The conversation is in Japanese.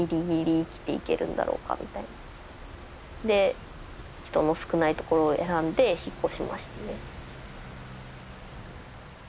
で人の少ないところを選んで引っ越しましたね。